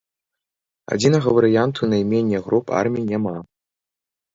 Адзінага варыянту наймення груп армій няма.